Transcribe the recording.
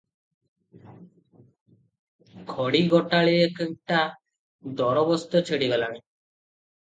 ଖଡ଼ି ଗୋଟାଳିଟା ଦୋରବସ୍ତ ଛିଡ଼ିଗଲାଣି ।